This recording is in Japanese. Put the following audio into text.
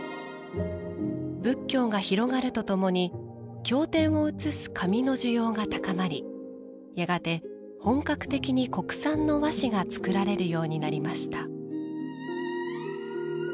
仏教が広がるとともに経典を写す紙の需要が高まりやがて、本格的に国産の和紙が作られるようになりました。